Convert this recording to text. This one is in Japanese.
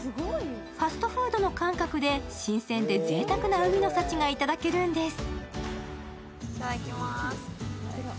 ファストフードの感覚で新鮮でぜいたくな海の幸がいただけるんです。